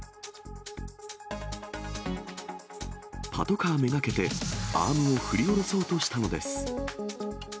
パトカー目がけて、アームを振り下ろそうとしたのです。